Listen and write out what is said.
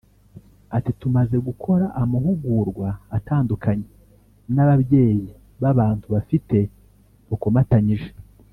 Ati″Tumaze gukora amahugurwa atandukanye n’ababyeyi b’abantu bafite bukomatanyije